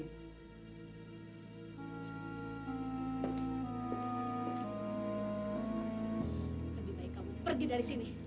lebih baik kamu pergi dari sini